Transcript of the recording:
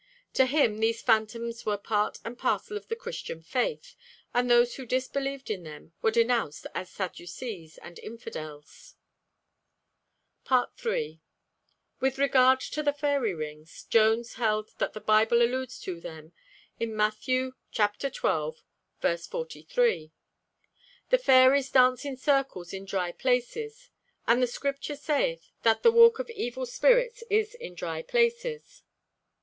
To him these phantoms were part and parcel of the Christian faith, and those who disbelieved in them were denounced as Sadducees and infidels. FOOTNOTE: 'Fairy Mythology,' 412. III. With regard to the fairy rings, Jones held that the Bible alludes to them, Matt. xii. 43: 'The fairies dance in circles in dry places; and the Scripture saith that the walk of evil spirits is in dry places.'